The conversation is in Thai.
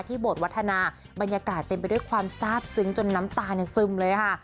โบสถวัฒนาบรรยากาศเต็มไปด้วยความทราบซึ้งจนน้ำตาเนี่ยซึมเลยค่ะ